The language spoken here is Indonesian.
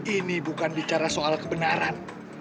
ini bukan bicara soal kebenaran